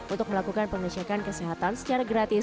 untuk melakukan pengecekan kesehatan secara gratis